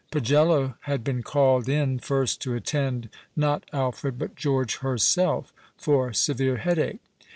Pagcllo had been called in first to attend not Alfred, but George herself, for severe headache.